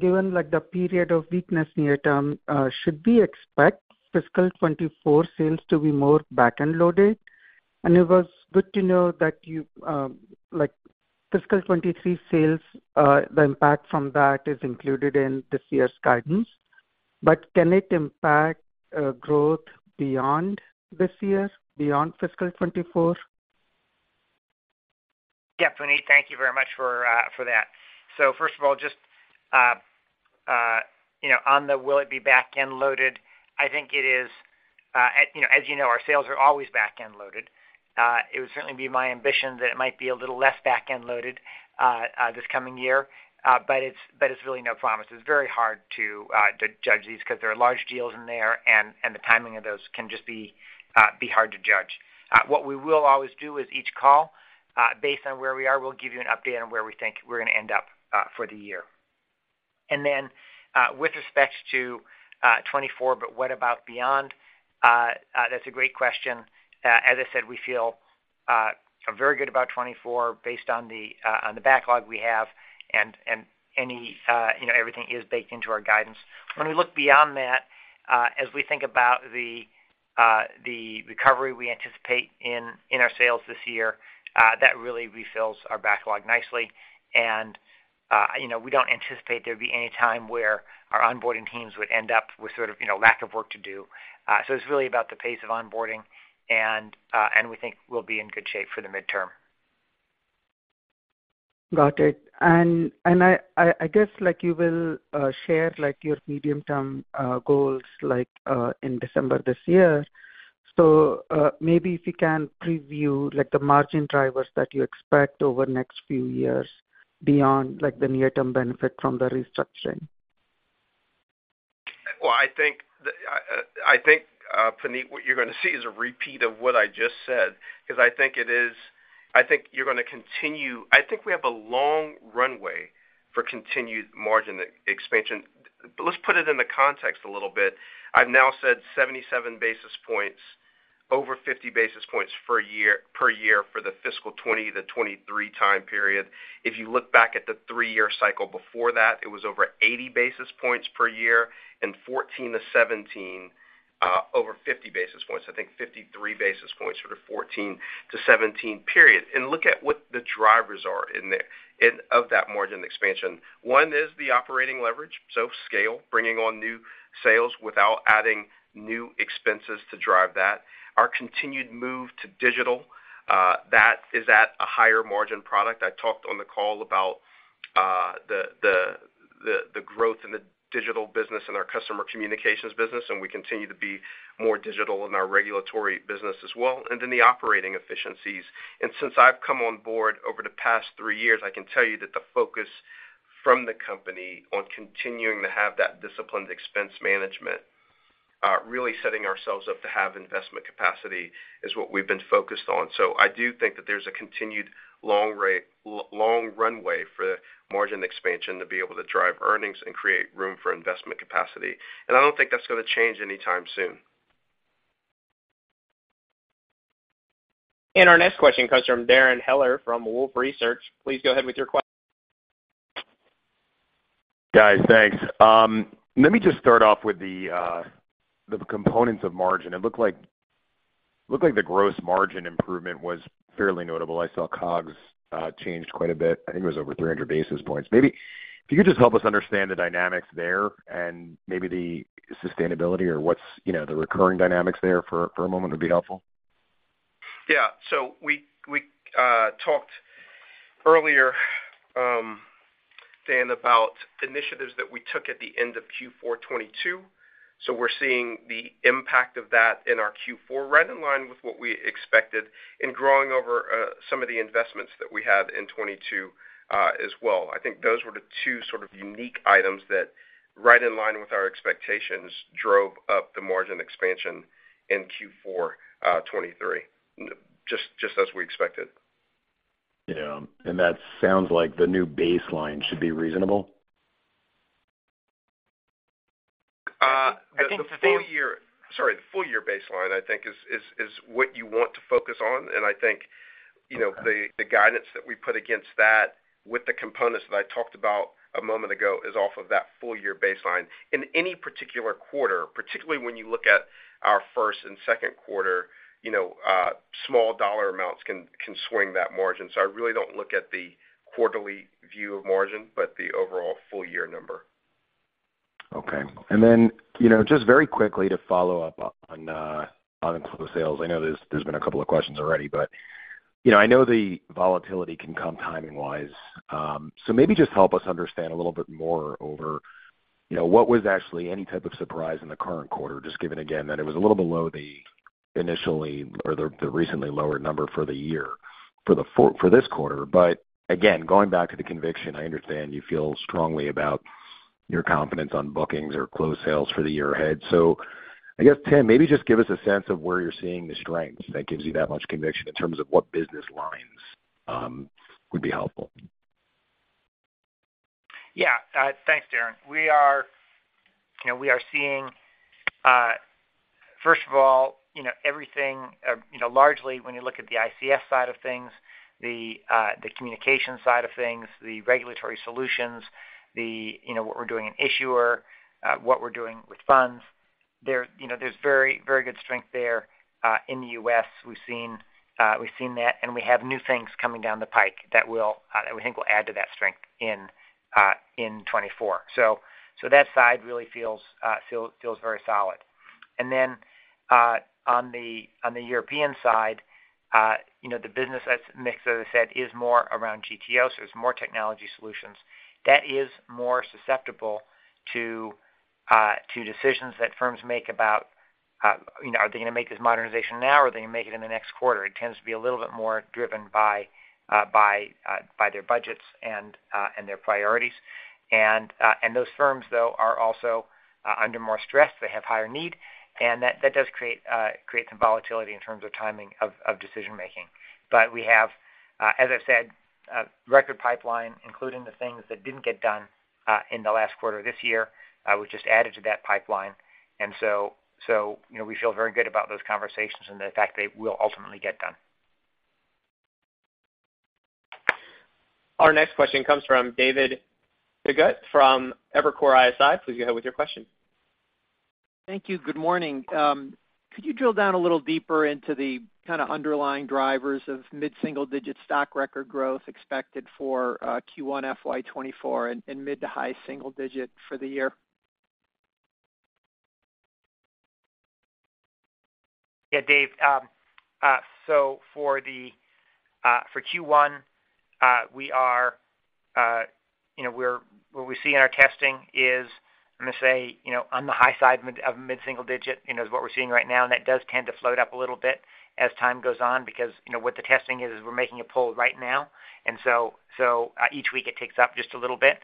Given, like, the period of weakness near term, should we expect fiscal '24 sales to be more back-end loaded? It was good to know that you, like, fiscal '23 sales, the impact from that is included in this year's guidance. Can it impact growth beyond this year, beyond fiscal '24? Yeah, Puneet, thank you very much for that. First of all, just, you know, on the will it be back-end loaded, I think it is, you know, as you know, our sales are always back-end loaded. It would certainly be my ambition that it might be a little less back-end loaded this coming year. It's, but it's really no promise. It's very hard to to judge these because there are large deals in there, and, and the timing of those can just be hard to judge. What we will always do is each call, based on where we are, we'll give you an update on where we think we're going to end up for the year. Then, with respect to 2024, what about beyond? That's a great question. As I said, we feel very good about 2024 based on the backlog we have, and, you know, everything is baked into our guidance. When we look beyond that, as we think about the recovery we anticipate in our sales this year, that really refills our backlog nicely. You know, we don't anticipate there'd be any time where our onboarding teams would end up with sort of, you know, lack of work to do. It's really about the pace of onboarding, and we think we'll be in good shape for the midterm. Got it. I, I, I guess, like, you will share, like, your medium-term goals, like, in December this year. Maybe if you can preview, like, the margin drivers that you expect over the next few years beyond, like, the near-term benefit from the restructuring. Well, I think the, Puneet, what you're going to see is a repeat of what I just said, because I think we have a long runway for continued margin expansion. Let's put it in the context a little bit. I've now said 77 basis points, over 50 basis points per year, per year for the fiscal 2020 to 2023 time period. If you look back at the three-year cycle before that, it was over 80 basis points per year, in 2014 to 2017, over 50 basis points, I think 53 basis points for the 2014 to 2017 period. Look at what the drivers are in there, in, of that margin expansion. One is the operating leverage, so scale, bringing on new sales without adding new expenses to drive that. Our continued move to digital, that is at a higher margin product. I talked on the call about the growth in the digital business and our customer communications business. We continue to be more digital in our regulatory business as well. Then the operating efficiencies. Since I've come on board over the past three years, I can tell you that the focus from the company on continuing to have that disciplined expense management, really setting ourselves up to have investment capacity is what we've been focused on. I do think that there's a continued long runway for the margin expansion to be able to drive earnings and create room for investment capacity. I don't think that's going to change anytime soon. Our next question comes from Darrin Peller from Wolfe Research. Please go ahead with your question. Guys, thanks. Let me just start off with the components of margin. It looked like, looked like the gross margin improvement was fairly notable. I saw COGS changed quite a bit. I think it was over 300 basis points. Maybe if you could just help us understand the dynamics there and maybe the sustainability or what's, you know, the recurring dynamics there for, for a moment would be helpful? Yeah. We, we talked earlier, Dan, about initiatives that we took at the end of Q4 2022. We're seeing the impact of that in our Q4, right in line with what we expected, and growing over some of the investments that we had in 2022 as well. I think those were the two sort of unique items that, right in line with our expectations, drove up the margin expansion in Q4 2023, just as we expected. Yeah. That sounds like the new baseline should be reasonable? I think. Sorry, the full-year baseline, I think, is what you want to focus on. I think, you know... Okay... the, the guidance that we put against that with the components that I talked about a moment ago, is off of that full-year baseline. In any particular quarter, particularly when you look at our first and Q2, you know, small dollar amounts can, can swing that margin. I really don't look at the quarterly view of margin, but the overall full-year number. Okay. Then, you know, just very quickly to follow up on closed sales. I know there's, there's been a couple of questions already, but, you know, I know the volatility can come timing-wise. Maybe just help us understand a little bit more over, you know, what was actually any type of surprise in the current quarter, just given again, that it was a little below the initially or the, the recently lower number for the year, for this quarter. Again, going back to the conviction, I understand you feel strongly about your confidence on bookings or closed sales for the year ahead. I guess, Tim, maybe just give us a sense of where you're seeing the strength that gives you that much conviction in terms of what business lines would be helpful. Yeah. thanks, Darrin. We are, you know, we are seeing, first of all, you know, everything, you know, largely when you look at the ICS side of things, the, the communication side of things, the regulatory solutions, the, you know, what we're doing in issuer, what we're doing with funds. There, you know, there's very, very good strength there, in the U.S. We've seen, we've seen that, and we have new things coming down the pike that will, that we think will add to that strength in 2024. So, that side really feels, feel, feels very solid. Then, on the, on the European side, you know, the business as mix, as I said, is more around GTO, so it's more technology solutions. That is more susceptible to decisions that firms make about, you know, are they gonna make this modernization now, or are they gonna make it in the next quarter? It tends to be a little bit more driven by by their budgets and their priorities. Those firms, though, are also under more stress. They have higher need, and that, that does create create some volatility in terms of timing of of decision making. But we have, as I've said, a record pipeline, including the things that didn't get done in the last quarter this year, was just added to that pipeline. You know, we feel very good about those conversations and the fact they will ultimately get done. Our next question comes from David Togut from Evercore ISI. Please go ahead with your question. Thank you. Good morning. Could you drill down a little deeper into the kind of underlying drivers of mid-single-digit stock record growth expected for Q1 FY 2024 and, and mid to high single digit for the year? Yeah, Dave, so for the for Q1, we are, you know, we're- what we see in our testing is, I'm gonna say, you know, on the high side of mid-single digit, you know, is what we're seeing right now, and that does tend to float up a little bit as time goes on, because, you know, what the testing is, is we're making a poll right now, and each week it ticks up just a little bit.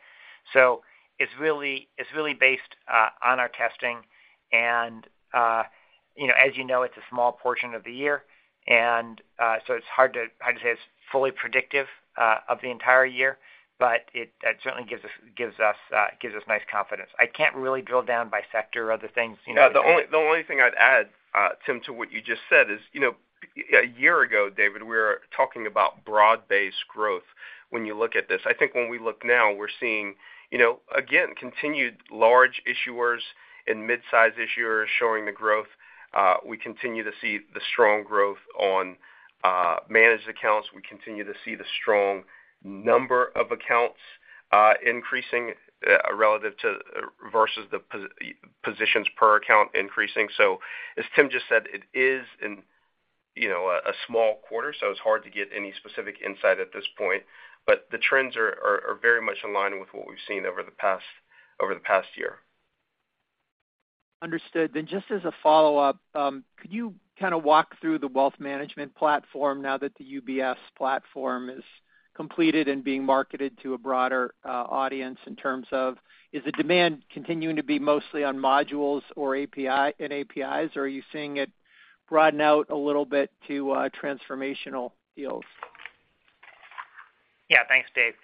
It's really, it's really based on our testing. You know, as you know, it's a small portion of the year, and, so it's hard to- hard to say it's fully predictive of the entire year, but it, it certainly gives us, gives us, gives us nice confidence. I can't really drill down by sector or other things, you know. Yeah, the only, the only thing I'd add, Tim, to what you just said is, you know, a year ago, David, we were talking about broad-based growth when you look at this. I think when we look now, we're seeing, you know, again, continued large issuers and mid-size issuers showing the growth. We continue to see the strong growth on managed accounts. We continue to see the strong number of accounts increasing relative to, versus the positions per account increasing. As Tim just said, it is in, you know, a, a small quarter, so it's hard to get any specific insight at this point, but the trends are, are, are very much in line with what we've seen over the past, over the past year. Understood. Just as a follow-up, could you kind of walk through the wealth management platform now that the UBS platform is completed and being marketed to a broader audience, in terms of, is the demand continuing to be mostly on modules or APIs, or are you seeing it broaden out a little bit to transformational deals? Yeah. Thanks, Dave.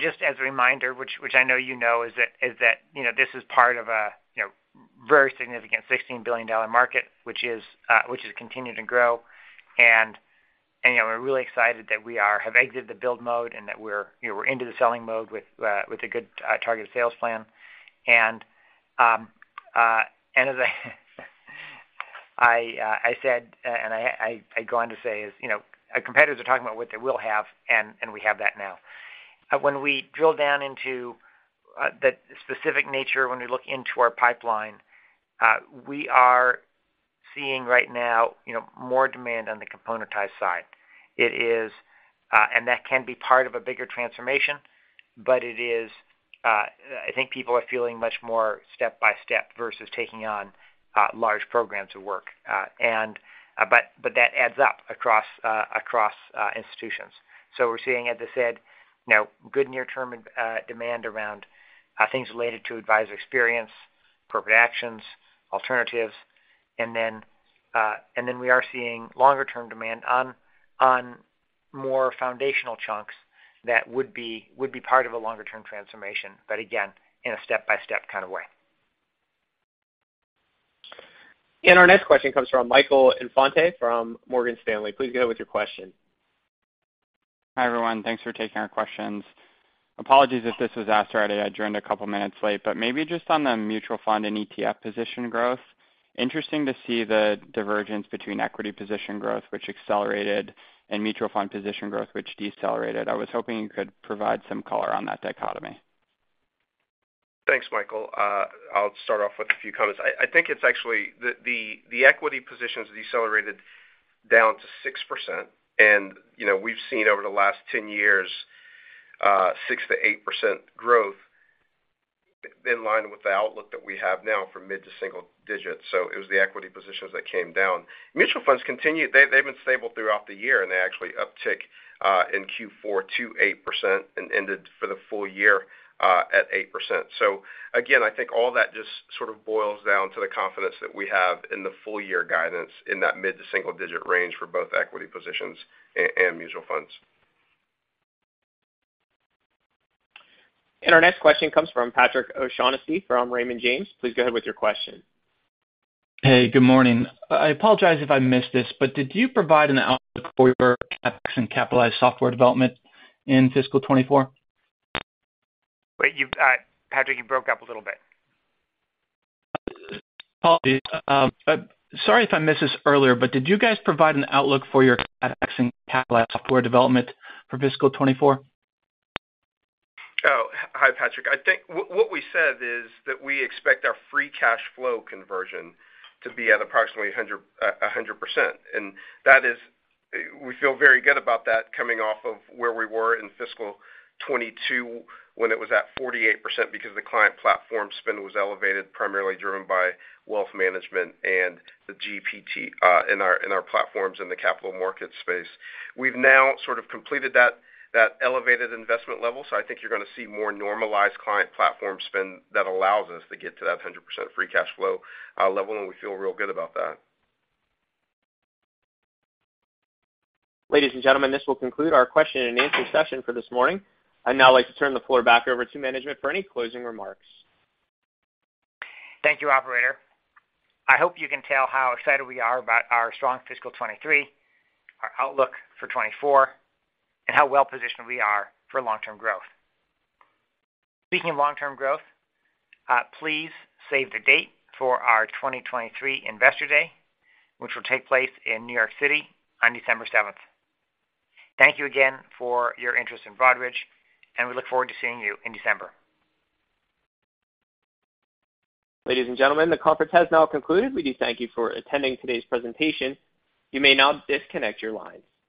Just as a reminder, which I know you know, is that, you know, this is part of a, you know, very significant $16 billion market, which has continued to grow. You know, we're really excited that we have exited the build mode and that we're, you know, we're into the selling mode with a good, targeted sales plan. As I said, and I go on to say is, you know, our competitors are talking about what they will have, and we have that now. When we drill down into the specific nature, when we look into our pipeline, we are seeing right now, you know, more demand on the componentized side. It is... That can be part of a bigger transformation, but it is, I think people are feeling much more step by step versus taking on large programs of work. That adds up across institutions. We're seeing, as I said, you know, good near-term demand around things related to advisor experience, appropriate actions, alternatives, and then we are seeing longer-term demand on more foundational chunks that would be part of a longer-term transformation, but again, in a step-by-step kind of way. Our next question comes from Michael Infante from Morgan Stanley. Please go ahead with your question. Hi, everyone. Thanks for taking our questions. Apologies if this was asked already. I joined a couple minutes late. Maybe just on the mutual fund and ETF position growth, interesting to see the divergence between equity position growth, which accelerated, and mutual fund position growth, which decelerated. I was hoping you could provide some color on that dichotomy. Thanks, Michael. I'll start off with a few comments. I think it's actually the equity positions decelerated down to 6%, and, you know, we've seen over the last 10 years, 6 to 8% growth in line with the outlook that we have now for mid-single digits. It was the equity positions that came down. Mutual funds continued. They've been stable throughout the year, and they actually uptick in Q4 to 8% and ended for the full year at 8%. Again, I think all that just sort of boils down to the confidence that we have in the full year guidance in that mid-single digit range for both equity positions and mutual funds. Our next question comes from Patrick O'Shaughnessy, from Raymond James. Please go ahead with your question. Hey, good morning. I apologize if I missed this, but did you provide an outlook for your CapEx and capitalized software development in fiscal 2024? Wait, you've, Patrick, you broke up a little bit. Apologies. Sorry if I missed this earlier, but did you guys provide an outlook for your CapEx and capitalized software development for fiscal 2024? Oh, hi, Patrick. I think what, what we said is that we expect our free cash flow conversion to be at approximately 100, 100%, and that is, we feel very good about that coming off of where we were in fiscal 2022, when it was at 48%, because the client platform spend was elevated, primarily driven by wealth management and the GPT, in our, in our platforms in the capital market space. We've now sort of completed that, that elevated investment level, so I think you're going to see more normalized client platform spend that allows us to get to that 100% free cash flow level, and we feel real good about that. Ladies and gentlemen, this will conclude our question-and-answer session for this morning. I'd now like to turn the floor back over to management for any closing remarks. Thank you, operator. I hope you can tell how excited we are about our strong fiscal 2023, our outlook for 2024, and how well-positioned we are for long-term growth. Speaking of long-term growth, please save the date for our 2023 Investor Day, which will take place in New York City on December 7th. Thank you again for your interest in Broadridge, and we look forward to seeing you in December. Ladies and gentlemen, the conference has now concluded. We do thank you for attending today's presentation. You may now disconnect your lines.